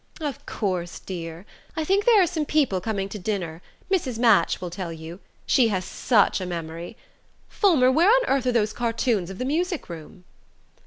"Of course, dear. I think there are some people coming to dinner... Mrs. Match will tell you. She has such a memory.... Fulmer, where on earth are those cartoons of the music room?"